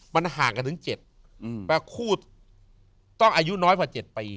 มันห่างกันถึง๗คู่ต้องอายุน้อยกว่า๗ปี